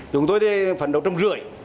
chúng tôi thì phấn đấu trăm rưỡi